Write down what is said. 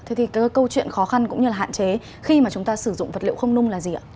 thế thì cái câu chuyện khó khăn cũng như là hạn chế khi mà chúng ta sử dụng vật liệu không nung là gì ạ